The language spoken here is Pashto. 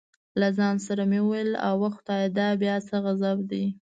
له ځان سره مې وویل اوه خدایه دا بیا څه غضب دی.